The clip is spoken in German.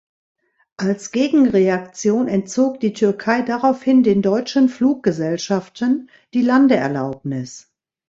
Als Gegenreaktion entzog die Türkei daraufhin den deutschen Fluggesellschaften die Landeerlaubnis.